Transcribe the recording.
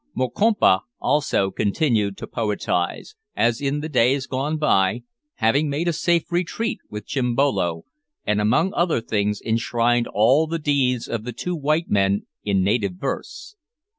Mokompa, also, continued to poetise, as in days gone by, having made a safe retreat with Chimbolo, and, among other things, enshrined all the deeds of the two white men in native verse.